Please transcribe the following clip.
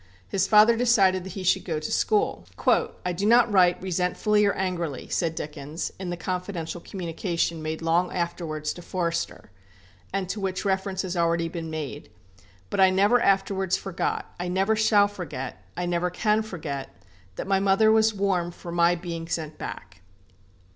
His father decided that he should go to school. "I do not write resentfully or angrily," said Dickens, in the confidential communication made long afterwards to Forster, and to which reference has already been made; "but I never afterwards forgot, I never shall forget, I never can forget, that my mother was warm for my being sent back."